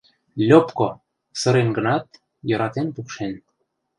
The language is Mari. Льопко!» — сырен гынат, йӧратен пукшен.